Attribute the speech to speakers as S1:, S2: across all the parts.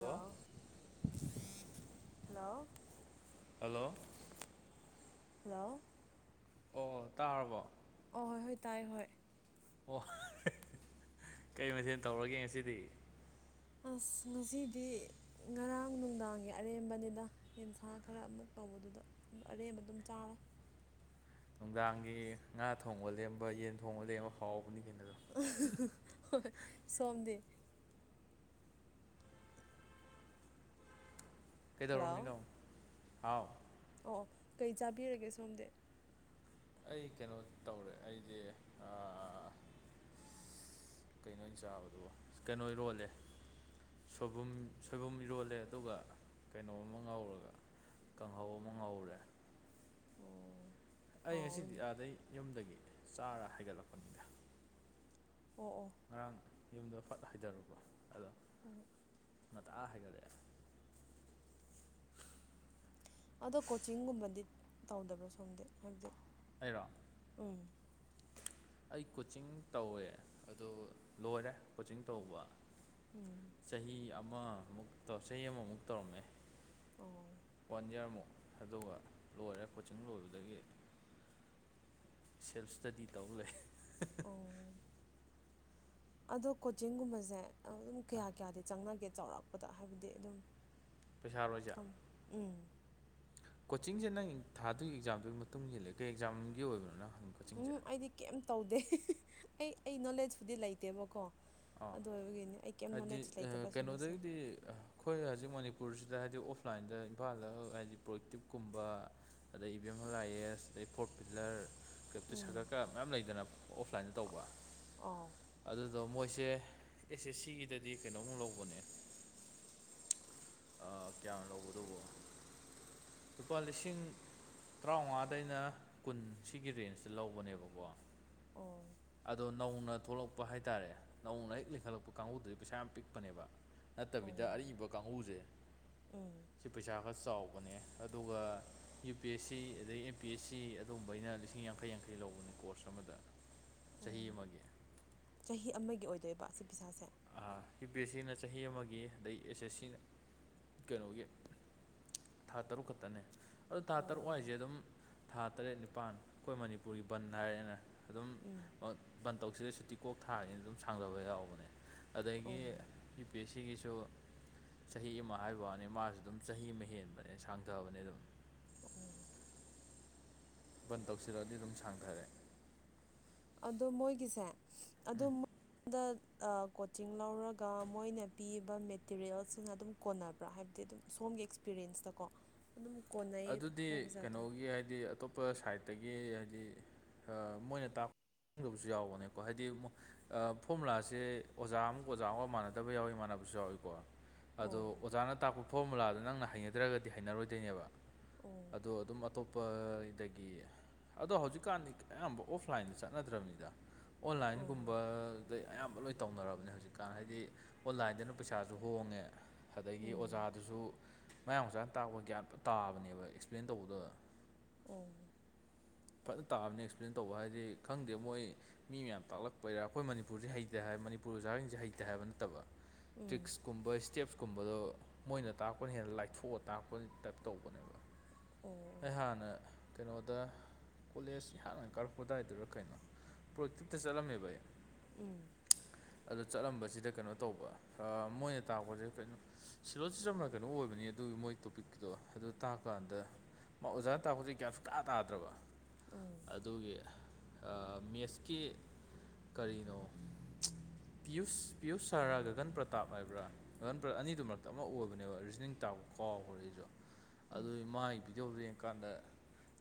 S1: hello
S2: hello
S1: hello
S2: hello
S1: ꯑꯣ ꯇꯥꯔꯕꯣ
S2: ꯑ‌ꯣ ꯍꯣꯏ ꯍꯣꯏ ꯇꯥꯏ ꯍꯣꯏ
S1: ꯑꯣ [unintelligible] ꯀꯩ ꯃꯊꯦꯜ ꯇꯧꯔꯒꯦ ꯉꯁꯤꯗꯤ
S2: ꯑꯁ ꯉꯁꯤꯗꯤ ꯉꯔꯥꯡ ꯅꯨꯡꯗꯥꯡꯒꯤ ꯑꯔꯦꯝꯕꯅꯤꯅ ꯌꯦꯟꯁꯥꯡ ꯈꯔ ꯑꯃꯨꯛ ꯇꯧꯕꯗꯨꯗ ꯑꯔꯦꯝꯕ ꯑꯗꯨꯝ ꯆꯥꯔꯦ
S1: ꯅꯨꯡꯗꯥꯡꯒꯤ ꯉꯥ ꯊꯣꯡꯕ ꯂꯦꯝꯕ ꯌꯦꯟ ꯊꯣꯡꯕ ꯂꯦꯝꯕ ꯐꯥꯎꯕꯅꯤ ꯀꯩꯅ ꯑꯗꯨ
S2: ꯍ [unintelligible] ꯁꯣꯝꯗꯤ ꯍꯜꯂꯣ
S1: ꯀꯩꯗꯧꯔꯝꯃꯤꯅ‌ꯣ ꯑꯥꯎ
S2: ꯑꯣ ꯀꯩ ꯆꯥꯕꯤꯔꯒꯦ ꯁꯣꯝꯗꯤ
S1: ꯑꯩ ꯀꯩꯅꯣ ꯇꯧꯔꯦ ꯑꯩꯗꯤ ꯑ ꯀꯩꯅꯣ ꯑꯣꯏꯅ ꯆꯥꯕꯗꯣ ꯀꯩꯅꯣ ꯏꯔꯣꯜꯂꯦ ꯁꯣꯏꯕꯨꯝ ꯁꯣꯏꯕꯨꯝ ꯏꯔꯣꯜꯂꯦ ꯑꯗꯨꯒ ꯀꯩꯅꯣ ꯑꯃ ꯉꯥꯎꯔꯒ ꯀꯥꯡꯍꯧ ꯑꯃ ꯉꯧꯔꯦ
S2: ꯑꯣ
S1: ꯑꯩ ꯉꯁꯤꯗꯤ
S2: ꯍꯥꯎꯋꯤꯅꯦ
S1: ꯑꯥꯗꯩ ꯌꯨꯝꯗꯒꯤ ꯆꯥꯔ ꯍꯥꯏꯒꯠꯂꯛꯄꯅꯤꯗ
S2: ꯑꯣ ꯑꯣ
S1: ꯉꯔꯥꯡ ꯌꯨꯝꯗ ꯐꯠ ꯍꯥꯏꯗꯔꯨꯕ ꯑꯗꯣ
S2: ꯑꯣ
S1: ꯉꯥꯟꯇ ꯍꯥꯏꯒꯠꯂꯛꯑ‌ꯦ
S2: ꯑꯗꯣ ꯀꯣꯆꯤꯡꯒꯨꯝꯕꯗꯤ ꯇꯧꯗꯕ꯭ꯔꯣ ꯁꯣꯝꯗꯤ ꯍꯥꯏꯕꯗꯤ
S1: ꯑꯩꯔꯣ
S2: ꯎꯝ
S1: ꯑꯩ ꯀꯣꯆꯤꯡ ꯇꯧꯋꯦ ꯑꯗꯨ ꯂꯣꯏꯔꯦ ꯀꯣꯆꯤꯡ ꯇꯧꯕ
S2: ꯎꯝ
S1: ꯆꯍꯤ ꯑꯃꯃꯨꯛ ꯇꯧ ꯆꯍꯤ ꯑꯃꯃꯨꯛ ꯇꯧꯔꯝꯃꯦ
S2: ꯑꯣ
S1: ꯋꯥꯟ ꯌꯔꯃꯨꯛ ꯑꯗꯨꯒ ꯂꯣꯏꯔꯦ ꯀꯣꯆꯤꯡ ꯂꯣꯏꯕꯗꯒꯤ ꯁꯦꯜꯞ ꯏꯁꯇꯗꯤ ꯇꯧ ꯂꯩ [unintelligible]
S2: ꯑꯣ ꯑꯗꯣ ꯀꯣꯆꯤꯡꯒꯨꯝꯕꯁꯦ ꯑꯗꯨꯝ ꯀꯌꯥ ꯀꯌꯥꯗꯤ ꯆꯪꯅꯒꯦ ꯆꯥꯎꯔꯥꯛꯄꯗ ꯍꯥꯏꯕꯗꯤ ꯑꯗꯨꯝ
S1: ꯄꯩꯁꯥꯔ‌ꯣ ꯍꯥꯏꯁ‌ꯦ
S2: ꯀꯝ ꯎꯝ
S1: ꯀꯣꯆꯤꯡꯁꯦ ꯅꯪ ꯊꯥꯗꯨꯒꯤ ꯑꯦꯛꯖꯥꯝꯗꯨꯒꯤ ꯃꯇꯨꯡ ꯏꯜꯂꯦ ꯀꯩ ꯑꯦꯛꯖꯥꯝꯒꯤ ꯑꯣꯏꯕꯅꯣ ꯍꯪꯕ
S2: ꯎꯝ ꯑꯩꯗꯤ ꯀꯩꯝ ꯇꯧꯗꯦ ꯑꯩ ꯑꯩ ꯅꯣꯂꯦꯖꯄꯨꯗꯤ ꯂꯩꯇꯦꯕꯀꯣ
S1: ꯑꯥ
S2: ꯑꯗꯨ ꯑꯣꯏꯕꯒꯤꯅꯦ ꯑꯩ ꯀꯩꯝ
S1: ꯍꯥꯏꯗꯤ
S2: ꯅꯣꯂꯦꯖ ꯂꯩꯇꯕ ꯁꯨꯝꯕꯁꯦ
S1: ꯀꯩꯅꯣꯗꯒꯤꯗꯤ ꯑꯩꯈꯣꯏ ꯍꯧꯖꯤꯛ ꯃꯅꯤꯄꯨꯔꯁꯤꯗ ꯍꯥꯏꯗꯤ ꯑꯣꯐꯂꯥꯏꯟꯗ ꯏꯝꯐꯥꯜꯗ ꯍꯥꯏꯗꯤ ꯄ꯭ꯔꯣꯌꯦꯦꯛꯇꯤꯞꯀꯨꯝꯕ ꯑꯗꯩ ꯏꯚꯤ ꯑꯦꯝ ꯍꯜ ꯑꯥꯏ ꯑꯦꯁ ꯑꯗꯩ ꯐꯣꯔꯠ ꯄꯤꯜꯂꯔ ꯀꯩꯞꯇꯤ
S2: ꯎꯝ
S1: ꯁꯥꯒꯔꯀ ꯃꯌꯥꯝ ꯂꯩꯗꯅ ꯑꯣꯐꯂꯥꯏꯟꯗ ꯇꯧꯕ
S2: ꯑꯥꯎ
S1: ꯑꯗꯨꯗꯣ ꯃꯣꯏꯁꯤ ꯁꯦ ꯑꯦꯁ ꯑꯦꯁ ꯁꯤꯒꯤꯗꯗꯤ ꯀꯩꯅꯣꯝ ꯂꯧꯕꯅꯦ ꯀꯌꯥꯝ ꯂꯧꯕꯗꯨꯕꯣ ꯂꯨꯄꯥ ꯂꯤꯁꯤꯡ ꯇꯔꯥꯃꯉꯥꯗ ꯑꯩꯅ ꯀꯨꯟ ꯁꯤꯒꯤ ꯔꯦꯟꯖꯇ ꯂꯧꯕꯅꯦꯕꯀꯣ
S2: ꯑꯣ
S1: ꯑꯗꯣ ꯅꯧꯅ ꯊꯣꯛꯂꯛꯄ ꯍꯥꯏꯇꯥꯔꯦ ꯅꯧꯅ ꯍꯦꯛ ꯂꯤꯡꯈꯠꯂꯛꯄ ꯀꯥꯡꯕꯨꯗꯨꯗꯤ ꯄꯩꯁꯥ ꯌꯥꯝ ꯄꯤꯛꯄꯅꯦꯕ
S2: ꯑꯣ
S1: ꯅꯠꯇꯕꯤꯗ ꯑꯔꯤꯕ ꯀꯥꯡꯕꯨꯁꯦ
S2: ꯎꯝ
S1: ꯁꯤ ꯄꯩꯁꯥ ꯈꯔ ꯆꯥꯎꯕꯅꯦ ꯑꯗꯨꯒ ꯌꯨ ꯄꯤ ꯑꯦꯁ ꯁꯤ ꯑꯩ ꯑꯦꯝ ꯄꯤ ꯑꯦꯁ ꯁꯤ ꯑꯗꯨꯝꯕ ꯑꯩꯅ ꯂꯤꯁꯤꯡ ꯌꯥꯡꯈꯩ ꯌꯥꯡꯈꯩ ꯔꯤ ꯂꯧꯕꯅꯤ ꯀꯣꯔꯁ ꯑꯃꯗ ꯆꯍꯤ
S2: ꯑꯣ
S1: ꯑꯃꯒꯤ
S2: ꯆꯍꯤ ꯑꯃꯒꯤ ꯑꯣꯏꯗꯣꯏꯕ ꯑꯁꯤ ꯄꯤꯖꯥꯁꯦ
S1: ꯌ ꯕꯤ ꯑꯦꯁ ꯁꯤꯅ ꯆꯍꯤ ꯑꯃꯒꯤ ꯑꯗꯩ ꯑꯦꯁ ꯑꯦꯁ ꯁꯤꯅ ꯀꯩꯅꯣꯒꯤ ꯊꯥ ꯇꯔꯨꯛ ꯈꯛꯇꯅꯦ ꯑꯗꯨꯣ ꯊꯥ ꯇꯔꯨꯛ
S2: ꯑꯣ
S1: ꯍꯥꯏꯁꯦ ꯑꯗꯨꯝ ꯊꯥ ꯇꯔꯦꯠ ꯅꯤꯄꯥꯟ ꯑꯩꯈꯣꯏ ꯃꯅꯤꯄꯨꯔꯒꯤ ꯕꯟ ꯍꯥꯏꯔꯦꯅ ꯑꯗꯨꯝ
S2: ꯎꯝ
S1: ꯕꯟ ꯇꯧꯁꯤꯗꯩ ꯁꯨꯇꯤꯀꯣꯛ ꯊꯥꯔꯤꯅ ꯑꯗꯨꯝ ꯁꯥꯡꯗꯕ ꯌꯥꯎꯕꯅꯦ ꯑꯗꯒꯤ
S2: ꯑꯣ
S1: ꯤ ꯑꯦ ꯁꯤꯒꯤꯁꯨ ꯆꯍꯤ ꯑꯃ ꯍꯥꯏꯕꯅꯤ ꯃꯥꯁꯨ ꯑꯗꯨꯝ ꯆꯍꯤ ꯑꯃ ꯍꯦꯟꯕꯅꯦ ꯁꯥꯡꯊꯕꯅꯦ ꯑꯗꯨꯝ
S2: ꯎꯝ
S1: ꯕꯟ ꯇꯧꯁꯤꯔꯛꯑꯗꯤ ꯑꯗꯨꯝ ꯁꯥꯡꯊꯔꯦ
S2: ꯑꯣ ꯃꯣꯏꯒꯤꯁꯦ ꯑ
S1: ꯎꯝ
S2: ꯑꯩꯉꯣꯟꯗ ꯀꯣꯆꯤꯡ ꯂꯧꯔꯒ ꯃꯣꯏꯅ ꯄꯤꯕ ꯃꯦꯇꯤꯔꯤꯌꯦꯜꯁꯤꯅ ꯑꯗꯨꯝ ꯀꯣꯟꯅꯕ꯭ꯔꯥ ꯍꯥꯏꯕꯗꯤ ꯑꯗꯨꯝ ꯁꯣꯝꯒꯤ ꯑꯦꯛꯁꯄꯤꯔꯦꯟꯁꯇꯀꯣ ꯑꯗꯨ ꯀꯣꯟꯅ
S1: ꯑꯗꯨꯗꯤ ꯀꯩꯅꯣꯒꯤ ꯍꯥꯏꯗꯤ ꯑꯇꯣꯞꯄ ꯁꯥꯏꯠꯇꯒꯤ ꯍꯥꯏꯗꯤ ꯃꯣꯏꯅ ꯇꯥꯛꯄ ꯈꯪꯗꯕꯁꯨ ꯌꯥꯎꯕꯅꯦꯀꯣ ꯍꯥꯏꯗꯤ ꯑꯃꯨ ꯐꯣꯔꯃꯨꯂꯥꯁꯦ ꯑꯣꯖꯥ ꯑꯃꯨꯛ ꯑꯣꯖꯥ ꯑꯃꯒ ꯃꯥꯟꯅꯗꯕ ꯌꯥꯎꯏꯤ ꯃꯥꯟꯅꯕꯁꯨ ꯌꯥꯎꯏꯀꯣ ꯑꯗꯣ
S2: ꯑꯣ
S1: ꯑꯣꯖꯥꯅ ꯇꯥꯛꯄ ꯐꯣꯔꯃꯨꯂꯥꯗ ꯅꯪꯅ ꯍꯩꯅꯗ꯭ꯔꯒꯗꯤ ꯍꯩꯅꯔꯣꯏꯗꯣꯏꯅꯦꯕ
S2: ꯑꯣ
S1: ꯑꯗꯣ ꯑꯗꯨꯝ ꯑꯇꯣꯞꯄꯗꯒꯤ ꯑꯗꯣ ꯍꯧꯖꯤꯛꯀꯥꯟꯗꯤ ꯑꯌꯥꯝꯕ ꯑꯣꯐꯂꯥꯏꯟꯗ ꯆꯠꯅꯗ꯭ꯔꯕꯅꯤꯗ
S2: ꯑꯣ
S1: ꯑꯣꯟꯂꯥꯏꯟꯒꯨꯝꯕꯗꯩ ꯑꯌꯥꯝꯕ ꯂꯣꯏ ꯇꯧꯅꯔꯕꯅꯦ ꯍꯧꯖꯤꯛꯀꯥꯟ ꯍꯥꯏꯗꯤ ꯑꯣꯟꯂꯥꯏꯟꯗꯅ ꯄꯩꯁꯥꯁꯨ ꯍꯣꯡꯉꯦ ꯑꯗꯒꯤ
S2: ꯎꯝ
S1: ꯑꯣꯖꯥꯗꯨꯁꯨ ꯃꯌꯥꯝ ꯃꯆꯥꯥꯅ ꯇꯥꯛꯄ ꯒ꯭ꯌꯥꯟ ꯇꯥꯕꯅꯤ ꯕ ꯑꯦꯛꯁꯄ꯭ꯂꯦꯟ ꯇꯧꯕꯗꯣ
S2: ꯑꯣ
S1: ꯐꯖꯅ ꯇꯥꯕꯅꯤ ꯑꯦꯛꯁꯄ꯭ꯂꯦꯟ ꯇꯧꯕ ꯍꯥꯏꯗꯤ ꯈꯪꯗꯦ ꯃꯣꯏ ꯃꯤ ꯃꯌꯥꯝ ꯇꯥꯛꯂꯛꯄꯩꯔꯥ ꯑꯩꯈꯣꯏ ꯃꯅꯤꯄꯨꯔꯁꯦ ꯍꯩꯇꯦ ꯍꯥꯏ ꯃꯅꯤꯄꯨꯔ ꯑꯣꯖꯥꯁꯤꯡꯁꯦ ꯍꯩꯇꯦ ꯍꯥꯏꯕ ꯅꯠꯇꯕ
S2: ꯎꯝ
S1: ꯇ꯭ꯔꯤꯛꯁ ꯀꯨꯝꯕꯁ ꯁ꯭ꯇꯦꯞꯁꯀꯨꯝꯕꯗꯣ ꯃꯣꯏꯅ ꯇꯥꯛꯔꯛꯄꯅ ꯍꯦꯟꯅ ꯂꯥꯏꯊꯣꯛꯑꯒ ꯇꯥꯛꯄ ꯇꯞ ꯇꯧꯕꯅꯦꯕ
S2: ꯎ
S1: ꯑꯩꯍꯥꯟꯅ ꯀꯩꯅꯣꯗ ꯀꯣꯂꯦꯖ ꯑꯩꯍꯥꯟꯅ ꯀꯥꯔꯛꯄꯗꯥꯏꯗꯨꯔ ꯀꯩꯅꯣ ꯄ꯭ꯔꯣꯛꯇꯤꯞꯇ ꯆꯠꯂꯝꯃꯦꯕ ꯑꯩ
S2: ꯎꯝ
S1: ꯑꯗꯨꯗꯣ ꯆꯠꯂꯝꯕꯁꯤꯗ ꯀꯩꯅꯣ ꯇꯧꯕ ꯃꯣꯏꯅ ꯇꯥꯛꯄꯁꯦ ꯀꯩꯅꯣ ꯁꯤꯂꯣꯁꯤ ꯆꯝꯅ ꯀꯩꯅꯣ ꯑꯣꯏꯕꯅꯤ ꯑꯗꯨꯒꯤ ꯃꯣꯏ ꯇꯣꯄꯤꯛꯨꯗꯣ ꯑꯗꯨ ꯇꯥꯛ ꯗꯨꯀꯥꯟꯗ ꯃꯥ ꯑꯣꯖꯥꯅ ꯇꯥꯛꯄꯗꯤꯦ ꯀꯌꯥ ꯁꯨ ꯀꯥ ꯇꯥꯗ꯭ꯔꯕ ꯑꯗꯨꯒꯤ ꯃꯦꯠꯁꯀꯤ ꯀꯔꯤꯅꯣ ꯄ꯭ꯌꯨꯁ ꯄꯤꯌꯨꯁ ꯁꯔꯥ ꯒꯟ ꯄ꯭ꯔꯇꯥꯞ ꯍꯥꯏꯕ꯭ꯔꯥ ꯔꯟ ꯄ꯭ꯂꯠ ꯑꯅꯤꯗꯨ ꯃꯔꯛꯇ ꯑꯃ ꯑꯣꯏꯕꯅꯦꯕ ꯔꯤꯖꯅꯤꯡ ꯇꯥꯛꯄꯗꯣ ꯀꯥꯎꯈꯔꯦꯅꯦ ꯑꯗꯨꯏ ꯃꯥꯥꯒꯤ ꯕꯤꯗꯤꯌꯣꯗꯨ ꯌꯦꯡꯀꯥꯟꯗ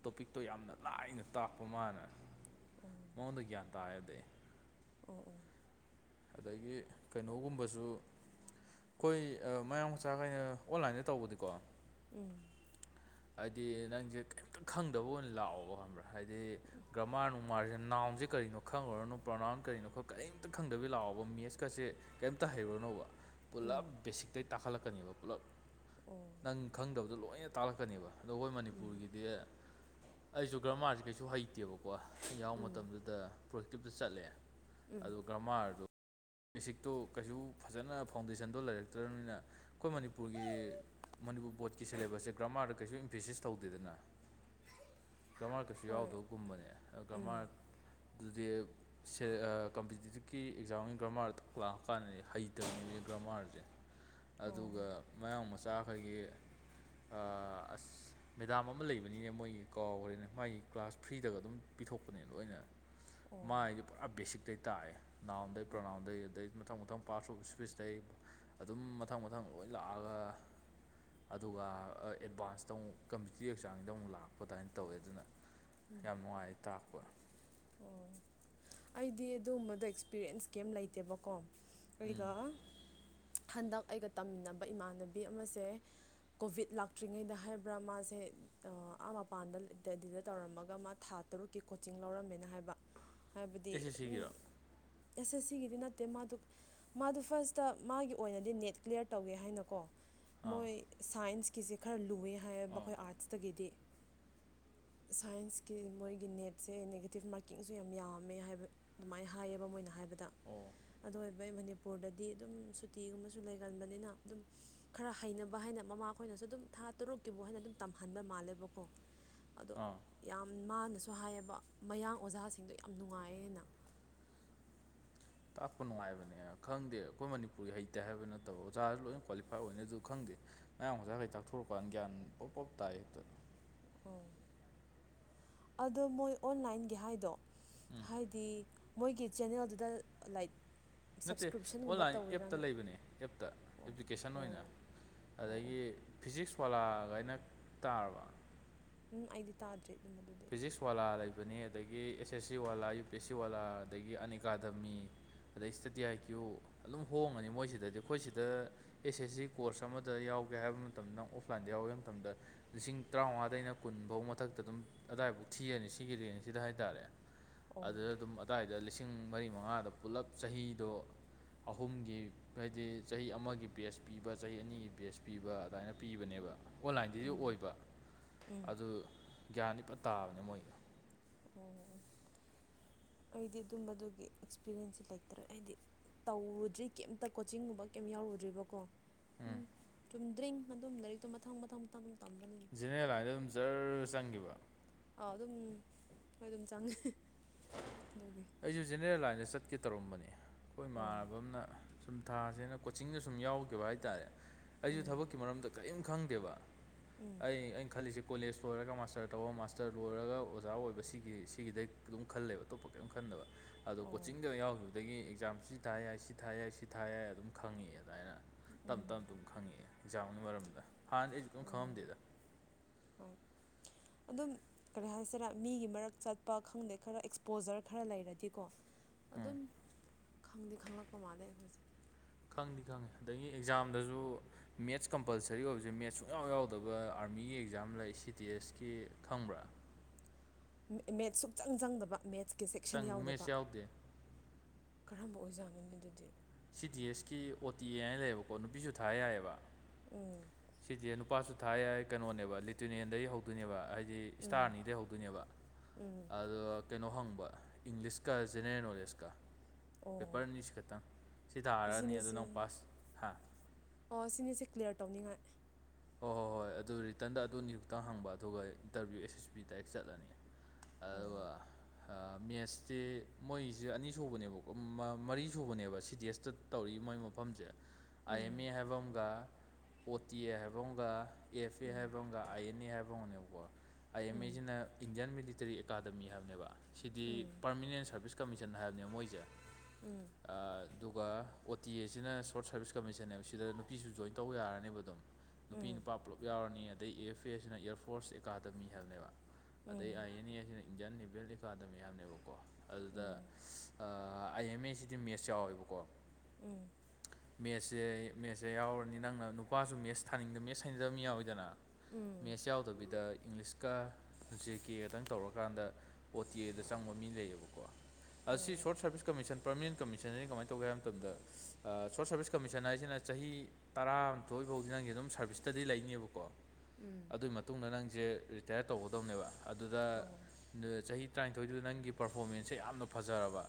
S1: ꯇꯣꯄꯤꯛꯇꯣ ꯌꯥꯝꯅ ꯂꯥꯏꯅ ꯇꯥꯛꯄ ꯃꯥꯅ ꯑꯣꯗꯨꯒꯤꯌꯥ ꯇ ꯍꯥꯏꯗ [inaudible]
S2: ꯑꯣ ꯑꯣ
S1: ꯑꯗꯒꯤ ꯀꯩꯅꯣꯒꯨꯝꯕꯁꯨ ꯑꯩꯈꯣꯏ ꯃꯌꯥꯡ ꯃꯆꯥ ꯀꯩꯅ ꯑꯣꯟꯂꯥꯏꯟꯗ ꯇꯧꯕꯗꯤꯀꯣ
S2: ꯎꯝ
S1: ꯍꯥꯏꯗꯤ ꯅꯪꯁꯦ ꯀꯩꯝꯇ ꯈꯪꯗꯕ ꯑꯣꯏꯅ ꯂꯥꯛꯑꯣꯕ ꯈꯪꯕ꯭ꯔꯥ ꯍꯥꯏꯗꯤ ꯒ꯭ꯔꯃꯥꯔ ꯅꯨꯡꯃꯥꯔꯁꯤꯅ ꯎꯁ ꯅꯥꯎꯟ ꯀꯔꯤꯅꯣ ꯈꯪꯉꯨꯔꯅꯨ ꯄ꯭ꯔꯣꯎ ꯅꯥꯎꯟ ꯀꯔꯤꯅꯣ ꯀꯤꯝꯇ ꯂꯥꯛꯑꯣꯕ ꯃꯦꯁꯀꯁꯦ ꯀꯔꯤꯝꯇ ꯍꯩꯔꯨꯔꯅꯣꯕ ꯄꯨꯂꯞ ꯕꯦꯁꯤꯛ ꯑꯇꯩ ꯇꯥꯈꯠꯂꯛꯀꯅꯦꯕ ꯄꯨꯂꯞ
S2: ꯑꯣ
S1: ꯅꯪ ꯈꯪꯗꯕꯗꯣ ꯂꯣꯏꯅ ꯇꯥꯛꯂꯛꯀꯅꯦꯕ ꯑꯗꯣ ꯑꯩꯈꯣꯏ ꯃꯅꯤꯄꯨꯔꯒꯤꯗꯤ ꯑꯩꯁꯨ ꯒ꯭ꯔꯃꯥꯔꯁꯤ ꯀꯩꯁꯨ ꯍꯩꯇꯦꯕꯀꯣ ꯑꯩ ꯌꯥꯎ ꯃꯇꯝꯗꯨꯗ ꯄ꯭ꯔꯣꯛꯇꯤꯞꯇ ꯆꯠꯂꯦ
S2: ꯎꯝ
S1: ꯀ꯭ꯔꯃꯥꯏꯗꯨ ꯕꯦꯁꯤꯛꯇꯣ ꯀꯩꯁꯨ ꯐꯖꯅ ꯐꯥꯎꯟꯗꯦꯁꯟꯗꯣ ꯂꯩꯔꯛꯇ꯭ꯔꯕꯅꯤꯅ ꯑꯩꯈꯣꯏ ꯃꯅꯤꯄꯨꯔꯒꯤ ꯃꯅꯤꯄꯨꯔ ꯕꯣꯔꯠꯀꯤ ꯁꯦꯂꯦꯕꯁꯁꯦ ꯒ꯭ꯔꯥꯃꯥꯗ ꯀꯩꯁꯨ ꯏꯝꯐꯦꯁꯤꯁ ꯇꯧꯗꯦꯗꯅ ꯀꯃꯥꯔ ꯀꯩꯁꯨ ꯌꯥꯎꯗꯕꯒꯨꯝꯕꯅꯦ ꯀꯃ ꯑꯗꯨꯗꯤ ꯀꯝꯄꯤꯇꯤꯇꯤꯞꯀꯤ ꯑꯦꯛꯖꯥꯝ ꯒꯤ ꯀꯔꯃꯥꯔꯗꯣ ꯂꯥꯛ ꯀꯥꯟꯗꯗꯤ ꯍꯩꯇꯕꯤꯅꯦ ꯒ꯭ꯔꯃꯥꯔꯁꯦ ꯑꯗꯨꯒ
S2: ꯑꯣ ꯑꯣ
S1: ꯃꯌꯥꯡ ꯃꯆꯥ ꯆ ꯑꯩꯈꯣꯏꯒꯤ ꯑꯁ [inaudible] ꯃꯦꯗꯥꯝ ꯑꯃ ꯂꯩꯕꯅꯤꯅꯦ ꯃꯣꯏꯒꯤ ꯀꯥꯎꯈ꯭ꯔꯦꯅꯦ ꯃꯥꯒꯤ ꯀ꯭ꯂꯥꯁ ꯐ꯭ꯔꯤꯗꯒ ꯑꯗꯨꯝ ꯄꯤꯊꯣꯛꯄꯅꯦ ꯂꯣꯏꯅ ꯃꯥꯏꯗꯤ ꯄꯨꯔꯥ ꯕꯦꯁꯤꯛꯇꯇꯩ ꯇꯥꯛꯑꯦ ꯅꯥꯎꯟꯗꯩ ꯄ꯭ꯔꯣꯅꯥꯎꯟꯗ ꯑꯗꯩ ꯃꯊꯪ ꯃꯊꯪ ꯄꯥꯔꯠꯁ ꯑꯣꯐ ꯏꯁꯄꯤꯁꯇꯩ ꯑꯗꯨꯝ ꯃꯊꯪ ꯃꯊꯪ ꯂꯣꯏ ꯂꯥꯛꯑꯒ ꯑꯗꯨꯒ ꯑꯦꯗꯚꯥꯟꯁꯇ ꯑꯃꯨꯛ ꯀꯝꯄꯤꯇꯤꯤꯞ ꯑꯦꯛꯖꯥꯡꯁꯤꯗ ꯑꯃꯨꯛ ꯂꯥꯛꯄ ꯑꯗꯨꯃꯥꯏꯅ ꯇꯧꯋꯦ ꯑꯗꯨꯅ ꯌꯥꯝ ꯅꯨꯡꯉꯥꯏ ꯇꯥꯛ
S2: ꯑꯣ ꯑꯩꯗꯤ ꯑꯗꯨꯒꯨꯝꯕꯗꯣ ꯑꯦꯛꯁꯄꯤꯔꯟꯁ ꯀꯩꯝ ꯂꯩꯇꯦꯕꯀꯣ
S1: ꯎꯝ
S2: ꯑꯩꯒ ꯍꯟꯗꯛ ꯑꯩꯒ ꯇꯝꯃꯤꯟꯅꯕ ꯏꯃꯥꯟꯅꯕꯤ ꯑꯃꯁꯦ ꯀꯣꯚꯤꯠ ꯂꯥꯛꯇ꯭ꯔꯤꯉꯩꯗ ꯍꯥꯏꯕ꯭ꯔꯥ ꯃꯥꯁꯦ ꯑꯥ ꯃꯄꯥꯟꯗ ꯗꯦꯂꯤꯗ ꯇꯧꯔꯝꯃꯒ ꯃꯥ ꯊꯥ ꯇꯔꯨꯛꯀꯤ ꯀꯣꯆꯤꯡ ꯂꯧꯔꯝꯃꯦꯅ ꯍꯥꯏꯕ ꯍꯥꯏꯕꯗꯤ
S1: ꯑꯦꯁ ꯑꯦꯁ
S2: ꯑꯗꯨꯝ
S1: ꯁꯤꯒꯤꯔꯣ
S2: ꯑꯦꯁ ꯑꯦꯁ ꯁꯤꯒꯤꯗꯤ ꯅꯠꯇꯦ ꯃꯥꯗꯨ ꯃꯥꯗꯨ ꯐꯥꯔꯁꯇ ꯃꯥꯒꯤ ꯑꯣꯏꯅꯗꯤ ꯅꯦꯠ ꯀ꯭ꯂꯤꯌꯥꯔ ꯇꯧꯒꯦ ꯍꯥꯏꯅꯀꯣ
S1: ꯑꯥ
S2: ꯃꯣꯏ ꯁꯥꯏꯟꯁꯀꯤꯁꯦ ꯈꯔ ꯂꯨꯑꯦ ꯍꯥꯏꯌꯦꯕ
S1: ꯑꯥ
S2: ꯑꯩꯈꯣꯏ ꯑꯥꯔꯠꯁꯇꯒꯤꯗꯤ ꯁꯥꯏꯟꯁꯀꯤ ꯃꯣꯏꯒꯤ ꯅꯦꯠꯁꯦ ꯅꯦ ꯇꯤꯐ ꯃꯥꯔꯀꯤꯡꯁꯨ ꯌꯥꯝ ꯌꯥꯝꯃꯦ ꯍꯥꯏꯕ ꯑꯗꯨꯃꯥꯏꯅ ꯍꯥꯏꯌꯦꯕ ꯃꯣꯏꯅ ꯍꯥꯏꯕꯗ
S1: ꯑꯣ
S2: ꯑꯗꯨ ꯑꯩꯈꯣꯢ ꯃꯅꯤꯄꯨꯔꯗꯗꯤ ꯑꯗꯨꯝ ꯁꯨꯇꯤꯒꯨꯝꯕꯁꯨ ꯂꯩꯒꯟꯕꯅꯤꯅ ꯑꯗꯨꯝ ꯈꯔ ꯍꯩꯅꯕ ꯍꯥꯏꯅ ꯃꯃꯥ ꯈꯣꯏꯅꯁꯨ ꯑꯗꯨꯝ ꯊꯥ ꯇꯔꯨꯛꯀꯤꯕꯨ ꯍꯥꯏꯅ ꯑꯗꯨꯝ ꯇꯝꯍꯟꯕ ꯃꯥꯜꯂꯦꯕꯀꯣ ꯑꯗꯣ
S1: ꯑꯥ
S2: ꯌꯥꯝ ꯃꯥꯅꯁꯨ ꯍꯥꯏꯌꯦꯕ ꯃꯌꯥꯡ ꯑꯣꯖꯥꯁꯤꯡꯗꯣ ꯌꯥꯝ ꯅꯨꯡꯉꯥꯏꯌꯦꯅ
S1: ꯇꯥꯛꯄ ꯅꯨꯡꯉꯥꯏꯕꯅꯦ ꯈꯪꯗꯦ ꯑꯩꯈꯣꯏ ꯃꯅꯤꯄꯨꯔꯒꯤ ꯍꯩꯇꯦ ꯍꯥꯏꯕ ꯅꯠꯇꯕ ꯑꯣꯖꯥꯁꯨ ꯂꯣꯏꯅ ꯀ꯭ꯋꯥꯂꯤꯐꯥꯏ ꯑꯣꯏꯅ ꯑꯗꯨ ꯈꯪꯗꯦ ꯃꯌꯥꯝ ꯉꯁꯥꯈꯩ ꯇꯥꯛꯊꯣꯔꯛꯀꯥꯟ ꯒ꯭ꯌꯥꯟ ꯄꯣꯞ ꯄꯣꯞ ꯇꯥꯏ ꯍꯦꯛꯇ
S2: ꯑꯣ ꯑꯗꯣ ꯃꯣꯏ ꯑꯣꯟꯂꯥꯏꯟꯒꯤ ꯍꯥꯏꯗꯣ
S1: ꯎꯝ
S2: ꯍꯥꯏꯗꯤ ꯃꯣꯏꯒꯤ ꯆꯦꯅꯦꯜꯗꯨꯗ ꯂꯥꯏꯛ
S1: ꯅꯠꯇꯦ
S2: ꯁꯞꯁꯀ꯭ꯔꯤꯞꯁꯟꯒꯨꯝꯕ
S1: ꯑꯣꯟꯂꯥꯏꯟ ꯑꯦꯞꯇ
S2: ꯇꯧꯋꯤꯔꯅ
S1: ꯂꯩꯕꯅꯦ ꯑꯦꯞꯇ
S2: ꯑꯣ
S1: ꯑꯦꯄ꯭ꯂꯤꯀꯦꯁꯟ ꯑꯣꯏꯅ
S2: ꯑꯣ ꯑꯣ ꯑꯣ
S1: ꯑꯗꯒꯤ ꯐꯤꯖꯤꯛꯁ ꯋꯥꯂꯥꯒꯥꯢꯅ ꯇꯥꯔꯕ
S2: ꯎꯝ ꯑꯩꯗꯤ ꯇꯥꯗ꯭ꯔꯤ ꯑꯗꯨꯕꯗꯤ
S1: ꯏꯁ ꯋꯥꯂꯥ ꯂꯩꯕꯅꯤ ꯑꯗꯒꯤ ꯑꯦꯁ S C Wallah U P S C Wallah ꯑꯗꯒꯤ ꯑꯅꯤꯀꯥ ꯑꯗꯥꯃꯤ ꯑꯗꯩ ꯏꯁꯗꯗꯤ ꯑꯥꯏ ꯀ꯭ꯌꯨ ꯑꯗꯨꯝ ꯍꯣꯡꯉꯅꯤ ꯃꯣꯏꯁꯤꯗꯗꯤ ꯑꯩꯈꯣꯏ ꯁꯤꯗ ꯑꯦꯁ ꯑꯦꯁ ꯁꯤ ꯀꯣꯔꯁ ꯑꯃꯗ ꯌꯥꯎꯒꯦ ꯍꯥꯏꯕ ꯃꯇꯝꯗ ꯑꯣꯐꯂꯥꯏꯟꯗ ꯌꯥꯎꯒꯦ ꯍꯥꯏ ꯃꯇꯝꯗ ꯂꯤꯁꯤꯡ ꯇꯔꯥꯎꯉꯥꯗꯩꯅ ꯀꯨꯟꯐꯧ ꯃꯊꯛꯇ ꯑꯗꯨꯝ ꯑꯗꯨꯗꯥꯏꯐꯥꯎ ꯊꯤꯔꯅꯤ ꯁꯤꯒꯤ ꯔꯦꯟꯁꯤꯗ ꯍꯥꯏꯇꯥꯔꯦ
S2: ꯑꯣ
S1: ꯑꯗꯨꯗ ꯑꯗꯨꯝ ꯑꯗꯨꯋꯥꯏꯗ ꯂꯤꯁꯤꯡ ꯃꯔꯤ ꯃꯉꯥꯗꯣ ꯄꯨꯂꯞ ꯆꯍꯤꯗꯣ ꯑꯍꯨꯝꯒꯤ ꯍꯥꯏꯗꯤ ꯆꯍꯤ ꯑꯃꯒꯤ ꯕꯦꯁ ꯄꯤꯕ ꯆꯍꯤ ꯑꯅꯤꯒꯤ ꯕꯦꯖ ꯄꯤꯕ ꯑꯗꯨꯃꯥꯏꯅ ꯄꯤꯕꯅꯦꯕ ꯑꯣꯟꯂꯥꯏꯟꯗꯩꯁꯨ
S2: ꯎꯝ
S1: ꯑꯣꯏꯕ
S2: ꯎꯝ
S1: ꯑꯗꯣ ꯒ꯭ꯌꯥꯟꯗꯤꯄꯥ ꯇꯥꯕꯅꯦ ꯃꯣꯏ
S2: ꯑꯣ ꯑꯩꯗꯤ ꯑꯗꯨꯝꯕꯗꯨꯒꯤ ꯑꯦꯛꯁꯄꯤꯔꯤꯌꯦꯟꯁꯁꯤ ꯂꯩꯇ꯭ꯔꯦ ꯑꯩꯗꯤ ꯇꯧꯔꯨꯗ꯭ꯔꯤ ꯀꯩꯝꯇ ꯀꯣꯆꯤꯡꯒꯨꯝꯕ ꯀꯩꯝ ꯌꯥꯎꯔꯨꯗ꯭ꯔꯤꯕꯀꯣ ꯎꯝ ꯆꯨꯝꯗ꯭ꯔꯤꯡ ꯑꯗꯨꯝ ꯂꯥꯏꯔꯤꯛꯇꯣ ꯃꯊꯪ ꯃꯊꯪ ꯃꯊꯪ ꯇꯝꯕꯅꯤꯅ
S1: ꯖꯦꯅꯔꯦꯜ ꯂꯥꯏꯟꯗ ꯑꯗꯨꯝ ꯖꯔ ꯆꯪꯈꯤꯕ
S2: ꯑꯥꯎ ꯑꯗꯨꯝ ꯍꯣꯏ ꯑꯗꯨꯝ ꯆꯪꯉꯦ ꯑꯗꯨꯒꯤ
S1: ꯑꯩꯁꯨ ꯖꯦꯅꯦꯔꯦꯜ ꯂꯥꯏꯟꯗ ꯆꯠꯀꯦ ꯇꯧꯔꯝꯕꯅꯤ ꯑꯩꯈꯣꯏ
S2: ꯑꯣ
S1: ꯏꯃꯥꯟꯅꯕ ꯑꯃꯅ ꯁꯨꯝ ꯊꯥꯁꯦꯅ ꯀꯣꯆꯤꯡꯗ ꯁꯨꯝ ꯌꯥꯎꯈꯤꯕ ꯍꯥꯏꯇꯥꯔꯦ ꯑꯩꯁꯨ
S2: ꯎꯝ
S1: ꯊꯕꯛꯀꯤ ꯃꯔꯝꯗ ꯀꯔꯤꯝ ꯈꯪꯗꯦꯕ
S2: ꯎꯝ
S1: ꯑꯩ ꯑꯩꯅ ꯈꯜꯂꯤꯁꯦ ꯀꯣꯂꯦꯖ ꯂꯣꯏꯔꯒ ꯃꯥꯁꯇꯔ ꯇꯧꯕ ꯃꯥꯁꯇꯔ ꯂꯣꯏꯔꯒ ꯑꯣꯖꯥ ꯑꯣꯏꯕ ꯁꯤꯒꯤ ꯁꯤꯒꯤꯗ ꯑꯗꯨꯝ ꯈꯜꯂꯦꯕ ꯑꯇꯣꯞꯄ ꯀꯔꯤꯝ ꯈꯟꯗꯕ ꯑꯗꯣ
S2: ꯑꯣ
S1: ꯀꯣꯆꯤꯡꯗ ꯌꯥꯎꯈꯤꯕ ꯑꯗꯒꯤ ꯑꯦꯛꯖꯥꯝ ꯁꯤ ꯊꯥ ꯌꯥꯏ ꯁꯤ ꯊꯥ ꯌꯥꯏ ꯁꯤ ꯊꯥ ꯌꯥꯏ ꯑꯗꯨꯝ ꯈꯪꯉꯦ ꯑꯗꯨꯃꯥꯏꯅ ꯇꯞ
S2: ꯎꯝ
S1: ꯇꯞ ꯑꯗꯨꯝ ꯈꯪꯉꯛꯑꯦ ꯑꯦꯛꯖꯥꯝꯒꯤ ꯃꯔꯝꯗ ꯍꯥꯟꯅꯗꯤ ꯑꯩꯁꯨ ꯀꯩꯝ
S2: ꯑꯣ
S1: ꯈꯪꯉꯝꯗꯦꯗ
S2: ꯍꯣꯏ ꯑꯗꯨꯝ ꯀꯔꯤ ꯍꯥꯏꯁꯤꯔ ꯃꯤꯒꯤ ꯃꯔꯛ ꯆꯠꯄ ꯈꯪꯗꯦ ꯈꯔ ꯑꯦꯛꯁꯄꯣꯖꯔ ꯈꯔ ꯂꯩꯔꯗꯤꯀꯣ
S1: ꯎꯝ
S2: ꯑꯗꯨꯝ ꯈꯪꯗꯤ ꯈꯪꯂꯛꯄ ꯃꯥꯜꯂꯦ ꯑꯩꯈꯣꯏꯁꯦ
S1: ꯈꯪꯗꯤ ꯈꯪꯉꯦ ꯑꯗꯒꯤ ꯑꯦꯛꯖꯥꯝꯗꯁꯨ ꯃꯦꯠꯁ ꯀꯝꯄꯜꯁꯔꯤ ꯑꯣꯏꯕꯁꯦ ꯃꯦꯠꯁ ꯁꯨꯡꯛꯌꯥ ꯌꯥꯎꯗꯕ ꯑꯥꯔꯃꯤꯒꯤ ꯑꯦꯛꯖꯥꯝ ꯂꯩ ꯁꯤ ꯇꯤ ꯑꯦꯁ ꯀꯤ ꯈꯪꯕ꯭ꯔꯥ
S2: ꯃꯦꯠꯁ ꯁꯨꯛꯆꯪ ꯆꯪꯗꯕ ꯃꯦꯠꯁꯀꯤ ꯁꯦꯛꯁꯟ
S1: ꯆꯪ
S2: ꯌꯥꯎꯗꯕ
S1: ꯃꯦꯠꯁ ꯌꯥꯎꯗꯦ
S2: ꯀꯔꯝꯕ ꯑꯣꯏꯖꯥꯠꯅꯣꯅꯦ ꯑꯗꯨꯗꯤ
S1: ꯁꯤ ꯇꯤ ꯑꯦꯁ ꯀꯤ ꯑꯣ ꯇꯤ ꯑꯦ ꯍꯥꯏꯅ ꯂꯩꯌꯦꯕꯀꯣ ꯅꯨꯄꯤꯁꯨ ꯊꯥ ꯌꯥꯏꯌꯦꯕ
S2: ꯎꯝ
S1: ꯁꯤꯗꯤ ꯅꯨꯄꯥꯁꯨ ꯊꯥ ꯌꯥꯏ ꯀꯩꯅꯣꯅꯦꯕ ꯂꯤꯇ꯭ꯔꯤꯅꯦꯟꯗꯒꯤ ꯍꯧ ꯗꯣꯏꯅꯦꯕ ꯍꯥꯏꯗꯤ ꯏꯁꯇꯥꯔ
S2: ꯎꯝ
S1: ꯑꯅꯤꯗꯩ ꯍꯧꯗꯣꯏꯅꯦꯕ
S2: ꯎꯝ
S1: ꯑꯗꯣ ꯀꯩꯅꯣ ꯍꯪꯕ ꯏꯪꯂꯤꯁꯀ ꯖꯦꯅꯔꯦꯜ ꯅꯣꯂꯦꯖꯀ ꯄꯦꯄꯔ
S2: ꯑꯣ
S1: ꯑꯅꯤꯁꯤ ꯈꯛꯇꯪ ꯁꯤ ꯊꯥꯔꯅꯤ ꯑꯗꯨ
S2: ꯑꯁꯤꯅꯤꯁꯦ
S1: ꯅꯪ ꯄꯥꯁ ꯍꯥ
S2: ꯑꯣ ꯁꯤꯅꯤꯁꯦ ꯀ꯭ꯂꯤꯌꯥꯔ ꯇꯧꯅꯤꯡꯉꯥꯏ
S1: ꯍꯣꯏ ꯍꯣꯏ ꯍꯣꯏ ꯑꯗꯨ ꯔꯤꯇꯔꯟꯗ ꯑꯗꯨꯅꯤ ꯈꯨꯛꯇꯪ ꯍꯪꯕ ꯑꯗꯨꯒ interview S S B direct ꯆꯠꯂꯅꯤ
S2: ꯑꯣ
S1: ꯑꯥ ꯃꯦꯠꯁꯇꯦ ꯃꯣꯏꯁꯦ ꯑꯅꯤꯁꯨꯕꯅꯦꯕꯀꯣ ꯃꯔꯤ ꯁꯨꯕꯅꯦꯕ ꯁꯤ ꯇꯤ ꯑꯦꯁꯇ ꯇꯧꯔꯤ ꯃꯣꯏ ꯃꯐꯝꯁꯦ ꯑꯥꯏ ꯑꯦꯝ
S2: ꯎꯝ
S1: ꯑꯦ ꯍꯥꯏꯕ ꯑꯃꯒ ꯑꯣ ꯇꯤ ꯑꯦ ꯍꯥꯏꯕ ꯑꯃꯒ ꯑꯦꯐ ꯑꯦ
S2: ꯎꯝ
S1: ꯍꯥꯏꯕꯝꯒ ꯑ ꯥꯑꯦꯟ ꯑꯦ ꯍꯥꯏꯕꯝꯒꯅꯦꯕꯀꯣ ꯑ ꯑꯦꯟ
S2: ꯎꯝ
S1: ꯁꯤꯅ ꯏꯟꯗꯤꯌꯥꯟ ꯃꯤꯂꯤꯇꯔꯤ ꯑꯦꯀꯥꯗꯃꯤ ꯍꯥꯏꯕꯅꯦꯕ ꯁꯤꯗꯤ
S2: ꯎꯝ
S1: ꯄꯥꯔꯃꯤꯅꯦꯟ ꯁꯔꯚꯤꯁ ꯀꯃꯤꯁꯟ ꯍꯥꯏꯕꯅꯦꯕ ꯃꯣꯏꯁꯦ
S2: ꯎꯝ
S1: ꯑꯥ ꯑꯗꯨꯒ ꯑꯣ ꯇꯤ ꯑꯦꯁꯤꯅ ꯁꯣꯔꯠ ꯁꯥꯔꯚꯤꯁ ꯀꯝꯃꯤꯁꯟꯅꯦꯕ ꯁꯤꯗ ꯅꯨꯄꯤꯁꯨ ꯖꯣꯏꯟ ꯇꯧꯕ ꯌꯥꯔꯅꯦꯕ ꯑꯗꯨꯝ ꯅꯨꯄꯤ
S2: ꯎꯝ
S1: ꯅꯨꯄꯥ ꯄꯨꯜꯂꯞ ꯌꯥꯎꯔꯅꯤ ꯑꯗꯩ ꯑꯦ ꯐꯦ ꯑꯦꯁꯤꯅ ꯑꯦꯌꯥꯔ ꯐꯣꯔꯁ ꯑꯦꯀꯥꯗꯃꯤ ꯍꯥꯏꯕꯅꯦꯕ ꯑꯗꯩ
S2: ꯎꯝ
S1: ꯑꯥꯏ ꯑꯦꯟ ꯑꯦꯁꯤꯅ ꯏꯟꯗꯤꯌꯥꯟ ꯅꯦꯚꯦꯜ ꯑꯦꯀꯥꯗꯃꯤ ꯍꯥꯏꯕꯅꯦꯕꯀꯣ ꯑꯗꯨꯗ ꯑ ꯑꯥꯏ ꯑꯦꯝ ꯑꯦ ꯁꯤꯗꯤ ꯃꯦꯠꯁ ꯌꯥꯎꯋꯦꯕꯀꯣ
S2: ꯎꯝ
S1: ꯃꯦꯠꯁꯁꯦ ꯃꯦꯠꯁꯦ ꯌꯥꯎꯔꯅꯤ ꯅꯪꯅ ꯅꯨꯄꯥꯁꯨ ꯃꯦꯠꯁ ꯊꯥꯅꯤꯡꯗꯕ ꯃꯦꯠꯁ ꯍꯩꯅꯗꯕ ꯃꯤ ꯌꯥꯎꯋꯤꯗꯅ
S2: ꯎꯝ
S1: ꯃꯦꯠꯁ ꯌꯥꯎꯗꯕꯤꯗ ꯏꯪꯂꯤꯁ ꯀ ꯎꯆꯦꯛ ꯀꯦ ꯈꯛꯇꯪ ꯇꯧꯔꯀꯥꯟꯗ ꯑꯣ ꯇꯤ ꯑꯦꯗ ꯆꯪꯕ ꯃꯤ ꯂꯩꯌꯦꯕꯀꯣ ꯑꯁꯤ
S2: ꯑꯣ
S1: short service commission permanent commission ꯑꯅꯤ ꯀꯃꯥꯏꯅ ꯇꯧꯒꯦ ꯍꯥꯏꯕ ꯃꯇꯝꯗ ꯑ ꯁꯣꯔꯠ ꯁꯥꯔꯚꯤꯁ ꯀꯃꯤꯁꯟ ꯍꯥꯏꯁꯤꯅ ꯆꯍꯤ ꯇꯔꯥꯃꯥꯊꯣꯏ ꯕꯧ ꯅꯪꯒꯤ ꯑꯗꯨꯝ ꯁꯥꯔꯚꯤꯁꯇꯗꯤ ꯂꯩꯅꯦꯕꯀꯣ
S2: [unintelligible]
S1: ꯑꯗꯨꯒꯤ ꯃꯇꯨꯡꯗ ꯅꯪꯖꯦ ꯔꯤꯇꯥꯌꯔ ꯇꯧꯒꯗꯧꯅꯦꯕ ꯑꯗꯨꯗ
S2: ꯑꯣ
S1: ꯑꯗꯨ ꯆꯍꯤ ꯇꯔꯥꯅꯤꯊꯣꯏꯗꯨꯗ ꯅꯪꯒꯤ ꯄꯔꯐꯣꯔꯃꯦꯟꯁꯁꯦ ꯌꯥꯝꯅ ꯐꯖꯔꯕ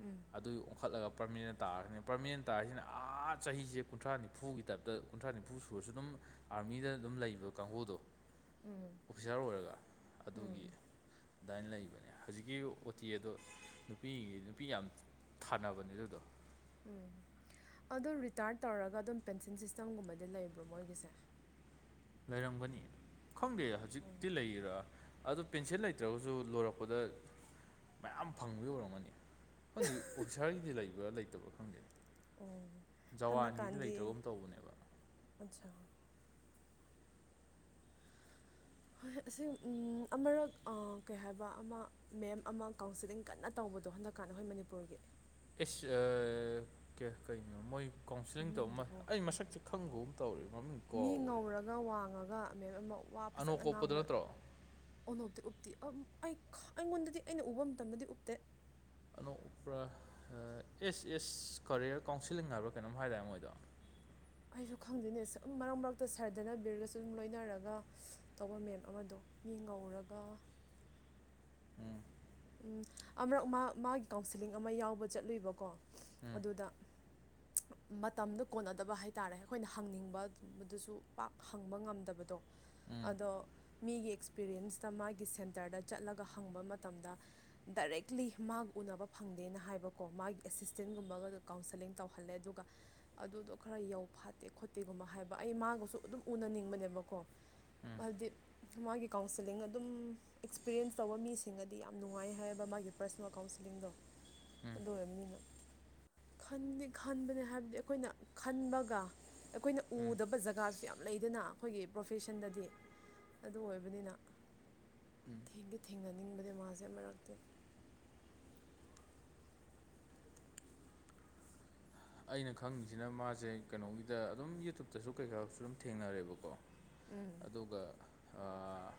S2: ꯎꯝ
S1: ꯑꯗꯨꯏ ꯑꯣꯟꯈꯠꯂꯒ ꯄ꯭ꯔꯃꯦꯅ ꯇꯥꯔꯒꯅꯤ ꯄꯔꯃꯅꯦꯟ ꯇꯥꯁꯤꯅ ꯑꯥ ꯆꯍꯤꯁꯦ ꯀꯨꯟꯊ꯭ꯔꯥ ꯅꯤꯐꯨꯒꯤ ꯇꯥꯏꯞꯇ ꯀꯨꯟꯊ꯭ꯔꯥ ꯅꯤꯐꯨ ꯍꯨꯐꯨ ꯁꯨꯔꯁꯨ ꯑꯗꯨꯝ ꯑꯥꯔꯃꯤꯗ ꯑꯗꯨꯝ ꯂꯩꯕ ꯀꯥꯡꯕꯨꯗꯣ [inaudible] ꯑꯣꯐꯤꯁꯥꯔ ꯑꯣꯏꯔꯒ ꯑꯗꯨꯒꯤ ꯑꯗꯨꯃꯥꯏꯅ ꯂꯩꯕꯅꯦ ꯍꯧꯖꯤꯛꯀꯤ ꯑꯣꯇꯤ ꯑꯗꯣ ꯅꯨꯄꯤꯒꯤ ꯅꯨꯄꯤ ꯌꯥꯝ ꯊꯥꯅꯕꯅꯦ ꯑꯗꯨꯗꯣ
S2: ꯎꯝ ꯑꯗꯨꯣ ꯔꯤꯇꯥꯌꯔ ꯇꯧꯔꯒ ꯑꯗꯨꯝ ꯄꯦꯟꯁꯤꯟ ꯁꯤꯁꯇꯦꯝꯒꯨꯝꯕꯗꯤ ꯂꯩꯕ꯭ꯔꯣ ꯃꯣꯏꯒꯤꯁꯦ
S1: ꯂꯩꯔꯝꯒꯅꯤ ꯈꯪꯗꯦ ꯍꯧꯖꯤꯛꯇꯤ ꯂꯩꯔꯥ ꯑꯗꯣ ꯄꯦꯟꯁꯤꯜ ꯂꯩꯇ꯭ꯔꯒꯁꯨ ꯂꯣꯏꯔꯛꯄꯗ ꯃꯌꯥꯝ ꯐꯪꯕꯤ ꯑꯣꯏꯔꯝꯒꯅꯤ ꯈꯪꯗꯦ ꯑꯣꯐꯤꯁꯥꯔꯒꯤꯗꯤ ꯂꯩꯕ꯭ꯔꯥ ꯂꯩꯇꯕ꯭ꯔꯥ ꯈꯪꯗꯦ
S2: ꯑꯣ
S1: ꯖꯋꯥꯟꯒꯤꯗꯤ
S2: ꯍꯟꯗꯛꯀꯥꯟꯗꯤ
S1: ꯂꯩꯇ꯭ꯔꯒꯨꯝ ꯇꯧꯕꯅꯦꯕ
S2: [inaudible] ꯑꯠꯆꯥꯥ ꯍꯣꯏ ꯍꯣꯏ ꯑꯁꯤ ꯑꯃꯨꯔꯛ ꯀꯩ ꯍꯥꯏꯕ ꯑꯃ ꯃꯦꯝ ꯑꯃ ꯀꯥꯎꯟꯁꯤꯂꯤꯡ ꯀꯟꯅ ꯇꯧꯕꯗꯣ ꯍꯟꯗꯛꯀꯥꯟꯗ ꯑꯩꯈꯣꯏ ꯃꯅꯤꯄꯨꯔꯒꯤ
S1: ꯑꯤꯁ ꯑ ꯀꯩ ꯀꯩ ꯀꯩꯅꯣ ꯃꯣꯏ ꯀꯥꯎꯟꯁꯤꯂꯤꯡ ꯇꯧ
S2: ꯃꯃꯤꯡꯗꯨꯕꯨ
S1: ꯑꯩ ꯃꯁꯛ ꯈꯪꯒꯨꯝ ꯇꯧꯔꯦ ꯃꯃꯤꯡ
S2: ꯃꯤ
S1: ꯀꯥꯎꯈꯔꯦ
S2: ꯉꯧꯔꯒ ꯋꯥꯡꯉꯒ ꯃꯦꯝ ꯑꯃ ꯋꯥ ꯐꯖꯅ
S1: ꯑꯅꯣꯀꯣꯞꯄꯗꯣ
S2: ꯉꯥꯡꯕ
S1: ꯅꯠꯇ꯭ꯔꯣ
S2: ꯑꯣꯅꯣꯞ ꯇꯤ ꯎꯞꯇꯤ ꯑ ꯑꯩ ꯑꯩꯉꯣꯟꯗꯗꯤ ꯑꯩꯅ ꯎꯕ ꯃꯇꯝꯗꯗꯤ ꯎꯞꯇꯦ
S1: ꯑꯅꯣ꯭ꯞ ꯎꯞꯄ꯭ꯔ ꯑꯦꯁ ꯑꯦꯁ ꯀꯔꯤꯌꯔ ꯀꯥꯎꯟꯁꯤꯂꯤꯡ ꯍꯥꯏꯕ꯭ꯔꯥ ꯀꯩꯅꯣꯝ ꯍꯥꯏꯗꯥꯏꯅꯦ ꯃꯣꯏꯗꯣ
S2: ꯑꯩꯁꯨ ꯈꯪꯗꯦꯅꯦ ꯁꯨꯝ ꯃꯔꯛ ꯃꯔꯛꯇ ꯁꯔ ꯗꯅꯕꯤꯔꯒꯁꯨ ꯑꯗꯨꯝ ꯂꯣꯏꯅꯔꯒ ꯇꯧꯕ ꯃꯦꯝ ꯑꯃꯗꯣ ꯃꯤ ꯉꯧꯔꯒ
S1: ꯎꯝ
S2: ꯎꯝ ꯑꯃꯨꯔꯛ ꯃꯥ ꯃꯥꯒꯤ ꯀꯥꯎꯟꯁꯤꯂꯤꯡ ꯑꯃ ꯌꯥꯎꯕ ꯆꯠꯂꯨꯏꯕꯀꯣ
S1: ꯎꯝ
S2: ꯑꯗꯨꯗ
S1: [inaudible]
S2: ꯃꯇꯝꯗꯣ ꯀꯣꯟꯅꯗꯕ ꯍꯥꯏꯇꯥꯔꯦ ꯑꯩꯈꯣꯏꯅ ꯍꯪꯅꯤꯡꯕ ꯃꯗꯨꯁꯨ ꯄꯥꯛ ꯍꯪꯕ ꯉꯝꯗꯕꯗꯣ
S1: ꯎꯝ
S2: ꯑꯗꯣ ꯃꯤꯒꯤ ꯑꯦꯛꯁꯄꯤꯔꯤꯌꯦꯟꯁꯇ ꯃꯥꯒꯤ ꯁꯦꯟꯇꯔꯗ ꯆꯠꯂꯒ ꯍꯪꯕ ꯃꯇꯝꯗ ꯗꯥꯏꯔꯦꯛꯂꯤ ꯃꯥꯒ ꯎꯅꯕ ꯐꯪꯗꯦꯅ ꯍꯥꯏꯕꯀꯣ ꯃꯥꯒꯤ ꯑꯦꯁꯤꯁꯇꯦꯟꯒꯨꯝꯕꯒ ꯀꯥꯎꯟꯁꯦꯂꯤꯡ ꯇꯧꯍꯜꯂꯦ ꯑꯗꯨꯒ ꯑꯗꯨꯗꯣ ꯈꯔ ꯌꯧ ꯐꯥꯠꯇꯦ ꯈꯣꯠꯇꯦꯒꯨꯝꯕ ꯍꯥꯏꯕ ꯑꯩ ꯃꯥꯒꯁꯨ ꯑꯗꯨꯝ ꯎꯅꯅꯤꯡꯕꯅꯦꯕꯀꯣ
S1: ꯎꯝ
S2: ꯍꯥꯏꯕꯗꯤ ꯃꯥꯒꯤ ꯀꯥꯎꯟꯁꯤꯂꯤꯡ ꯑꯗꯨꯝ ꯑꯦꯛꯁꯄꯤꯔꯤꯌꯦꯟꯁ ꯇꯧꯕ ꯃꯤꯁꯤꯡꯒꯗꯤ ꯌꯥꯝ ꯅꯨꯡꯉꯥꯏ ꯍꯥꯏꯌꯦꯕ ꯃꯥꯒꯤ ꯄ꯭ꯔꯁꯣꯅꯦꯜ ꯀꯥꯎꯟꯁꯤꯂꯤꯡꯗꯣ
S1: ꯎꯝ
S2: ꯑꯗꯨ ꯑꯣꯏꯔꯕꯅꯤꯅ ꯈꯟꯗꯤ ꯈꯟꯕꯅꯦ ꯍꯥꯏꯕꯗꯤ ꯑꯩꯈꯣꯏꯅ ꯈꯟꯕꯒ ꯑꯩꯈꯣꯏꯅ
S1: ꯎꯝ
S2: ꯎꯗꯕ ꯖꯒꯥꯁꯨ ꯌꯥꯝ ꯂꯩꯗꯅ ꯑꯩꯈꯣꯏꯒꯤ ꯄ꯭ꯔꯣꯐꯦꯁꯟꯗꯗꯤ ꯑꯗꯨ ꯑꯣꯏꯕꯅꯤꯅ
S1: ꯎꯝ
S2: ꯊꯦꯡꯗꯤ ꯊꯦꯡꯅꯅꯤꯡꯕꯅꯤ ꯃꯥꯁꯦ ꯃꯔꯛꯇ
S1: ꯑꯩꯅ ꯈꯪꯉꯤꯁꯤꯅ ꯃꯥꯖꯦ ꯀꯩꯅꯣꯒꯤꯗ ꯑꯗꯨꯝ ꯌꯨꯇꯨꯨꯞꯇꯖꯨ ꯀꯩꯀꯥꯗꯖꯨ ꯑꯗꯨꯝ ꯊꯦꯡꯅꯔꯦꯕꯀꯣ
S2: ꯎꯝ
S1: ꯑꯗꯨꯒ ꯑꯥ